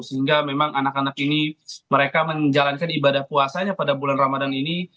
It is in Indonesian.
sehingga memang anak anak ini mereka menjalankan ibadah puasanya pada bulan ramadan ini